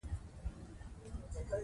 افغانستان به د نړۍ په منځ کې وځليږي.